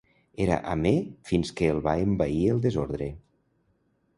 Era amè fins que el va envair el desordre.